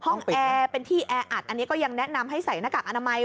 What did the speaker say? แอร์เป็นที่แออัดอันนี้ก็ยังแนะนำให้ใส่หน้ากากอนามัย